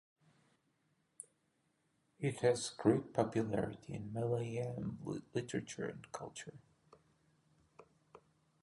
It has great popularity in Malayalam literature and culture.